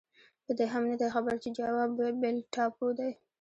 په دې هم نه دی خبر چې جاوا بېل ټاپو دی.